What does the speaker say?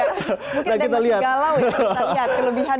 mungkin dengan segala kelebihan